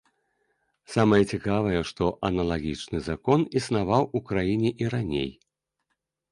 Самае цікавае, што аналагічны закон існаваў у краіне і раней.